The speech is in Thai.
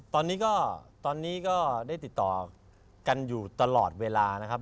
ตอนนี้ก็ตอนนี้ก็ได้ติดต่อกันอยู่ตลอดเวลานะครับ